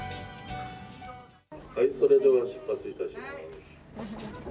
それでは出発いたします。